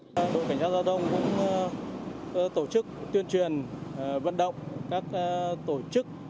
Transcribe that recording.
đội cảnh sát giao thông cũng tổ chức tuyên truyền vận động các tổ chức